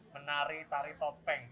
menari tari topeng